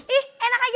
ih enak aja